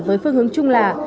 với phương hướng chung là